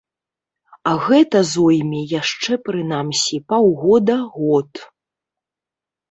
А гэта зойме яшчэ прынамсі паўгода-год.